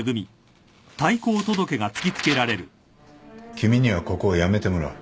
君にはここを辞めてもらう。